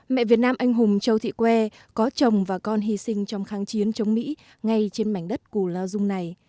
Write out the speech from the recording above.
mẹ việt nam anh hùng châu thị que có chồng và con hy sinh trong kháng chiến chống mỹ ngay trên mảnh đất cù lao dung này